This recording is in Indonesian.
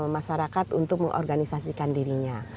masyarakat untuk mengorganisasikan dirinya